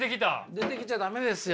出てきちゃ駄目ですよ。